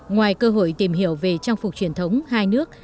ngoài cơ hội tìm hiểu về trang phục truyền thống hai nước